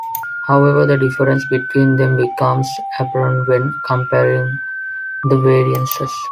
However, the difference between them becomes apparent when comparing the variances.